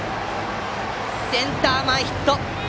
センター前ヒット！